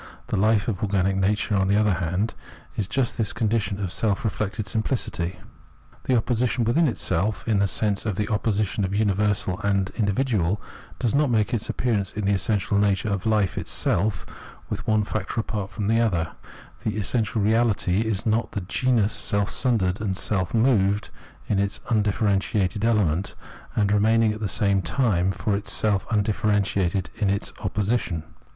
The hfe of organic nature, on the other hand, is just this condition of self reflected simpHcity. The opposition within itself, in the sense of the opposition of universal and individual, does not make its appearance in the essential nature of hfe itself with one factor apart from the other ; the essential reahty is not the genus, self sundered and self moved in its undifierentiated element, and remaining at the same time for itself undifierentiated in its opposition.